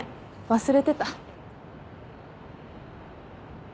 忘れてた。